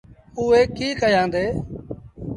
اُئي ڪيٚ ڪيآندي۔